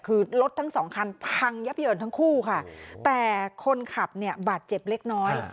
คือรถทั้งสองคันพังยับเยินทั้งคู่ค่ะแต่คนขับเนี่ยบาดเจ็บเล็กน้อย